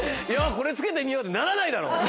いやこれ付けてみようってならないだろ！